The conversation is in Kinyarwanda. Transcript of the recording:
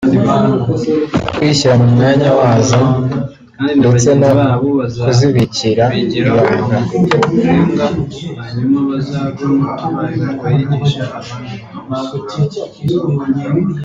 kwishyira mu mwanya wazo ndetse no kuzibikira ibanga